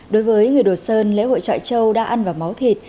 đối với người đồ sơn lễ hội trọi châu đã ăn vào máu thịt